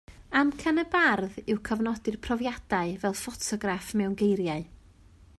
Amcan y bardd yw cofnodi'r profiadau fel ffotograff mewn geiriau